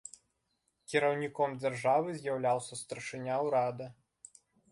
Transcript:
Кіраўніком дзяржавы з'яўляўся старшыня ўрада.